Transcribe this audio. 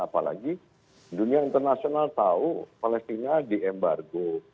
apalagi dunia internasional tahu palestina diembargo